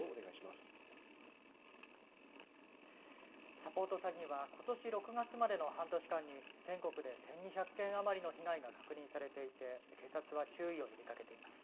サポート詐欺はことし６月までの半年間に全国で１２００件余りの被害が確認されていて警察は注意を呼びかけています。